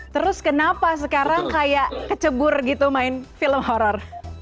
terus kenapa sekarang kayak kecebur gitu main film horror